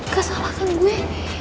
gak salah kan gue